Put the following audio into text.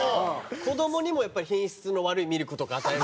子どもにも、やっぱり品質の悪いミルクとか与えるの？